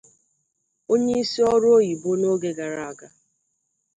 onyeisi ọrụ oyibo n'oge gara aga